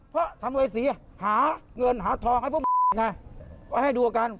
เพราะสมเวศีหาเงินหาทองให้ให้ดูกัน